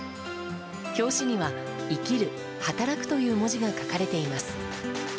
表紙には「生きる、働く」という文字が書かれています。